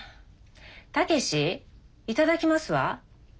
武志頂きますは？